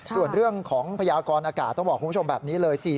ส่วนเรื่องของพยากรอากาศต้องบอกคุณผู้ชมแบบนี้เลย